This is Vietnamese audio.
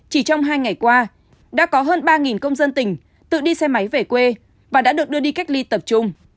chỉ trong hai ngày qua đã có hơn ba công dân tỉnh tự đi xe máy về quê và đã được đưa đi cách ly tập trung